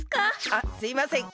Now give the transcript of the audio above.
あっすいません。